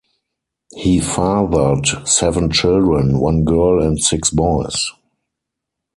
He fathered seven children - one girl and six boys.